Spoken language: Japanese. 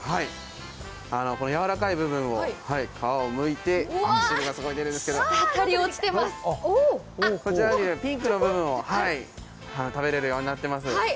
このやわらかい部分を皮をむいて、汁がすごい出るんですけどこちらのピンクの部分が食べられるようになっています。